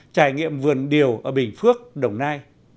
trải nghiệm vườn điều ở bình phước đồng nai